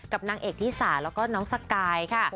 นางเอกที่สาแล้วก็น้องสกายค่ะ